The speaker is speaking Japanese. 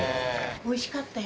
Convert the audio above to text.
おいしかったよ。